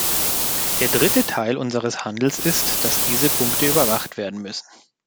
Der dritte Teil unseres Handels ist, dass diese Punkte überwacht werden müssen.